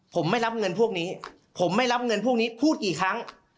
ผมไม่รับเงินพวกนี้ผมไม่รับเงินพวกนี้พูดกี่ครั้ง